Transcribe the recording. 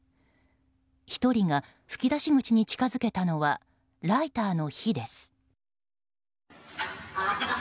１人が吹き出し口に近づけたのはライターの火です。